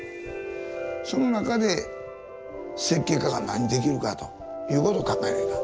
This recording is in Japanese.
その中で設計家が何できるかということを考えないかんと。